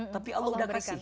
tapi allah sudah kasih